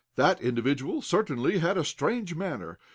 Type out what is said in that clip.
That individual certainly had a strange manner.